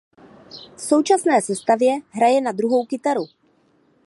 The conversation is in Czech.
V současné sestavě hraje na druhou kytaru.